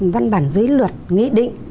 văn bản dưới luật nghĩ định